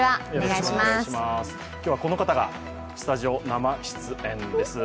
今日はこの方がスタジオ生出演です。